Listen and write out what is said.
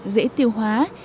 dễ tiêu hóa và đẹp hơn